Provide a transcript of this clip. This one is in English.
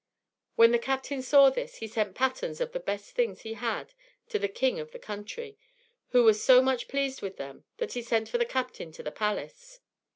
When the captain saw this, he sent patterns of the best things he had to the King of the country; who was so much pleased with them, that he sent for the captain to the palace.